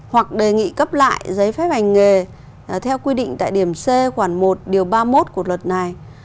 hoặc đề nghị cấp lại giấy phép hành nghề theo quy định tại điểm c khoảng một điều ba mươi một của luật này